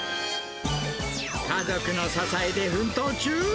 家族の支えで奮闘中！